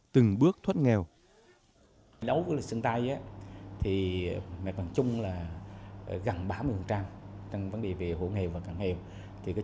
từng bước thoát nghèo